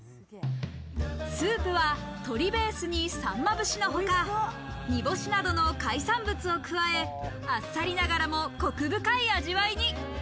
スープは鶏ベースにさんま節のほか、煮干しなどの海産物を加え、あっさりながらも、こく深い味わいに。